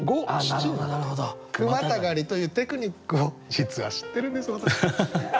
句またがりというテクニックを実は知ってるんです私。